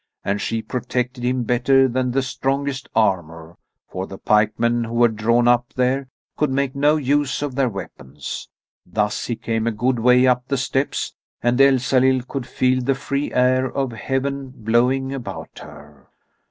And she protected him better than the strongest armour, for the pikemen who were drawn up there could make no use of their weapons. Thus he came a good way up the steps, and Elsalill could feel the free air of heaven blowing about her.